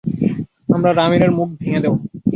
আমরা রামিনের মুখ ভেঙে দেব।